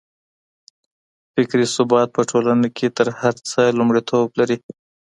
فکري ثبات په ټولنه کي تر هر څه لومړيتوب لري.